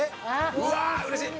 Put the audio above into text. うわーうれしい！